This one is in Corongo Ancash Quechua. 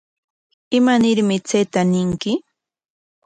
¿Imanarmi chayta ñinki?